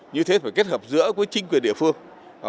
như thế phải kết hợp giữa với chính quyền địa phương